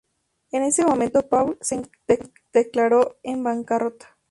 En ese momento Paul se declaró en bancarrota.